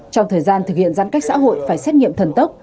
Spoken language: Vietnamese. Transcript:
trong thời gian thực hiện giãn cách xã hội phải xét nghiệm thần tốc